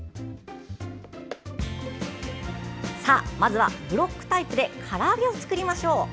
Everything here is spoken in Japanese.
まずは、ブロックタイプでから揚げを作りましょう。